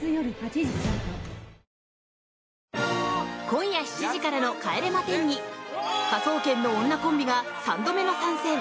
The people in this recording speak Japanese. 今夜７時からの帰れま１０に「科捜研の女」コンビが３度目の参戦。